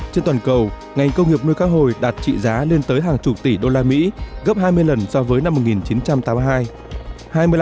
trên toàn cầu ngành công nghiệp nuôi cá hồi đạt trị giá lên tới hàng chục tỷ đô la mỹ gấp hai mươi lần so với năm một nghìn chín trăm tám mươi hai